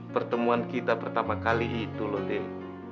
pertemuan kita pertama kali itu loh dewi